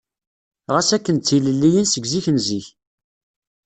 Ɣas akken d tilelliyin seg zik n zik.